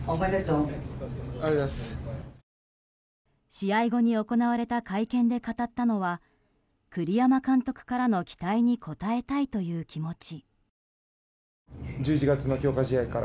試合後に行われた会見で語ったのは栗山監督からの期待に応えたいという気持ち。